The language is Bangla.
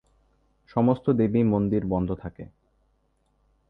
সমস্ত দেবী মন্দির বন্ধ থাকে।